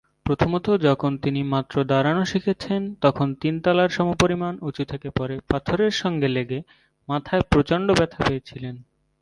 প্রথমত, যখন তিনি মাত্র দাঁড়ানো শিখেছেন তখন তিন তলার সমপরিমাণ উঁচু থেকে পড়ে পাথরের সঙ্গে লেগে মাথায় প্রচণ্ড ব্যথা পেয়েছিলেন।